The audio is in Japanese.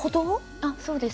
あそうです。